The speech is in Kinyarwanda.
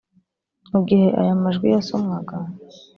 Mu gihe aya majwi yasomwaga